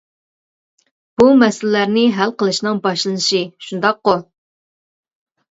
بۇ مەسىلىلەرنى ھەل قىلىشنىڭ باشلىنىشى، شۇنداققۇ.